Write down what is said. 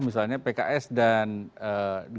misalnya pks dan gerindra